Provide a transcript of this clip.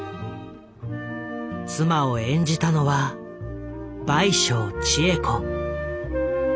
妻を演じたのは倍賞千恵子。